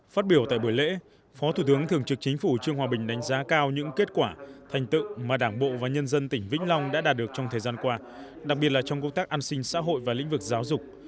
phát biểu tại buổi lễ phó thủ tướng thường trực chính phủ trương hòa bình đánh giá cao những kết quả thành tựu mà đảng bộ và nhân dân tỉnh vĩnh long đã đạt được trong thời gian qua đặc biệt là trong công tác an sinh xã hội và lĩnh vực giáo dục